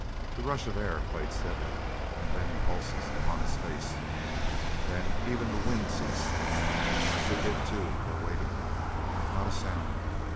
The rush of air played steadily, and then in pulses, upon his face. Then even the wind ceased; as if it, too, were waiting. Not a sound.